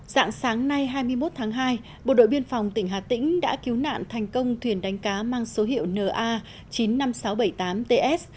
dạng sáng nay hai mươi một tháng hai bộ đội biên phòng tỉnh hà tĩnh đã cứu nạn thành công thuyền đánh cá mang số hiệu na chín mươi năm nghìn sáu trăm bảy mươi tám ts